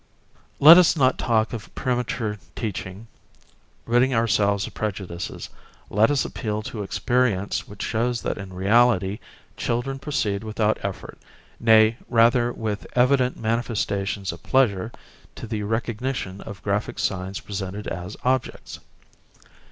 Let us not talk of premature teaching; ridding ourselves of prejudices, let us appeal to experience which shows that in reality children proceed without effort, nay rather with evident manifestations of pleasure to the recognition of graphic signs presented as objects.